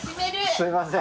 すみません！